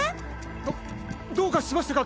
どどうかしましたか？